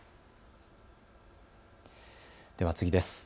では次です。